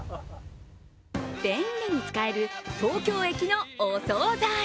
便利に使える東京駅のお総菜。